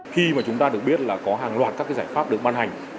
khi mà chúng ta được biết là có hàng loạt các giải pháp được ban hành